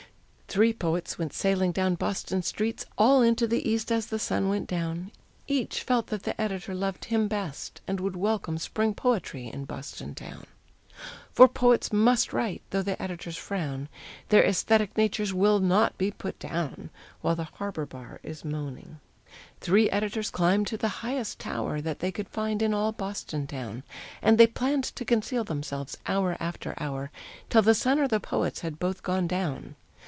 Three poets went sailing down Boston streets, All into the East as the sun went down, Each felt that the editor loved him best And would welcome spring poetry in Boston town. For poets must write tho' the editors frown, Their æsthetic natures will not be put down, While the harbor bar is moaning! Three editors climbed to the highest tower That they could find in all Boston town, And they planned to conceal themselves, hour after hour, Till the sun or the poets had both gone down.